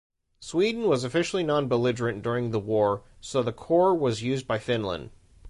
Sweden was officially non-belligerent during the war, so the Corps was used by Finland.